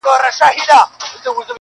• نو به ښه وي چي پیدا نه کړې بل ځل خر -